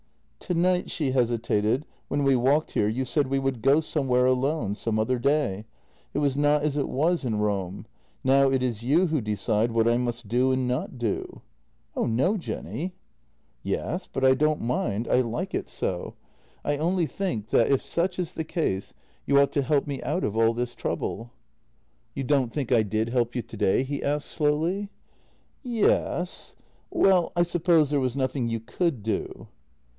" "Tonight" — she hesitated — "when we walked here, you said we would go somewhere alone — some other day. It was not as it was in Rome; now it is you who decide what I must do and not do." " Oh no, Jenny." "Yes — but I don't mind; I like it so. I only think that, if such is the case, you ought to help me out of all this trouble." JENNY 152 " You don't think I did help you today? " he asked slowly. " Ye — s. Well, I suppose there was nothing you could do."